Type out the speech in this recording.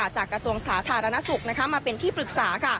จากกระทรวงศาสตร์ธารณสุขมาเป็นที่ปรึกษา